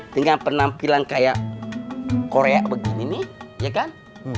dengan penampilan kayak korea begini nih ya kan